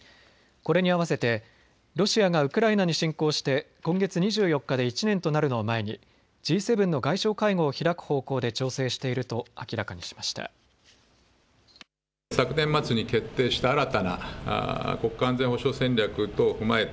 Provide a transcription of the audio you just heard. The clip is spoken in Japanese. これにあわせてロシアがウクライナに侵攻して今月２４日で１年となるのを前にＧ７の外相会合を開く方向で調整していると明らかにしました。